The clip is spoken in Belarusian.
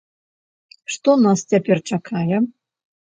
Што нас цяпер чакае?